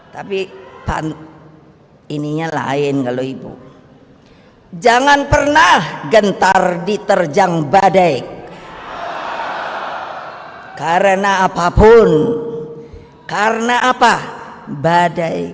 hai ininya lain kalau ibu jangan pernah gentar diterjang badai karena apapun karena apa badai